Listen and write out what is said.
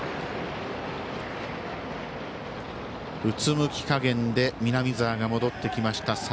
うつむき加減で南澤が戻ってきました